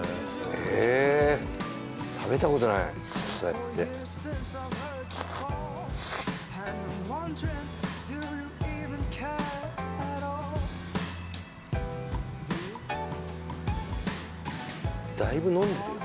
食べたことないそうやってだいぶ飲んでるよ